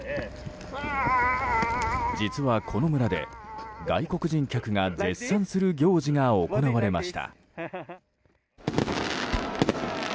実は、この村で外国人客が絶賛する行事が行われました。